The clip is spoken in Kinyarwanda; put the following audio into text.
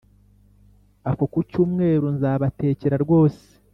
Ako ku cyumweru nzabatekera rwose